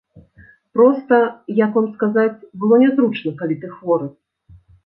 Проста, як вам сказаць, было нязручна, калі ты хворы.